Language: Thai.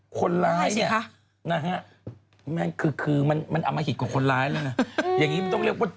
คนร้ายเนี่ยนะฮะแม่งคือมันเอามาหิตกับคนร้ายน่ะอย่างนี้มันต้องเรียกว่าโจร